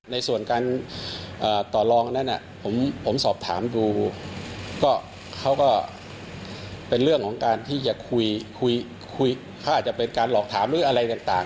ในส่วนการต่อลองนั้นผมสอบถามดูก็เขาก็เป็นเรื่องของการที่จะคุยคุยเขาอาจจะเป็นการหลอกถามหรืออะไรต่าง